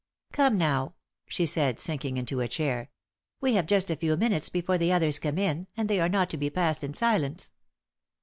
"Come now," she said, sinking into a chair. "We have just a few minutes before the others come in, and they are not to be passed in silence."